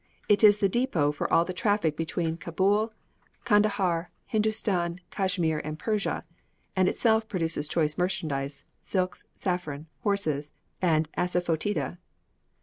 It is the depôt for all the traffic between Cabul, Candahar, Hindustan, Cashmere, and Persia, and itself produces choice merchandize, silks, saffron, horses, and asafoetida.